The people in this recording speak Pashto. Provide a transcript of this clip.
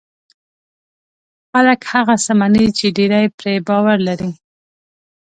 خلک هغه څه مني چې ډېری پرې باور لري.